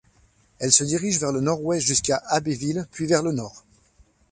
Elle se dirige vers le nord-ouest jusqu'à Abbeville, puis vers le nord.